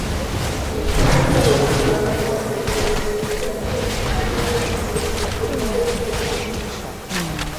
Bwetumaze okukikubaganyaako ebirowozo, kirabise nga kizibu gyendi okukiteekako omukono gwange.